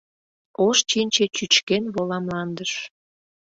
Ош чинче чӱчкен вола мландыш.